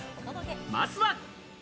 まずは。